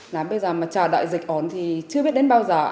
là bây giờ mà chờ đại dịch ổn thì chưa biết đến bao giờ